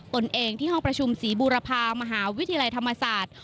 ตนเองที่ห้องประชุมศรีบูรพามหาวิทยาลัยธรรมศาสตร์